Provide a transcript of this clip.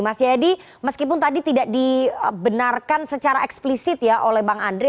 mas jayadi meskipun tadi tidak dibenarkan secara eksplisit ya oleh bang andri